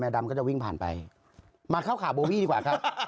ดำก็จะวิ่งผ่านไปมาเข้าข่าวโบวี่ดีกว่าครับ